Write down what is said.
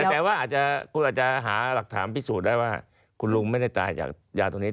แต่ว่าคุณอาจจะหาหลักฐานพิสูจน์ได้ว่าคุณลุงไม่ได้ตายจากยาตรงนี้